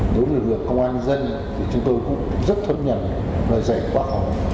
đối với lực công an nhân dân thì chúng tôi cũng rất thân nhận lời dạy của bà hờ